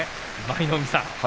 舞の海さん